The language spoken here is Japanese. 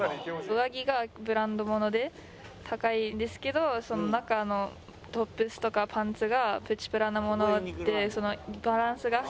上着がブランド物で高いんですけど中のトップスとかパンツが。